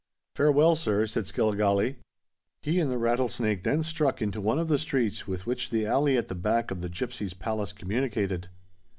"Farewell, sir," said Skilligalee. He and the Rattlesnake then struck into one of the streets with which the alley at the back of the gipsies' palace communicated.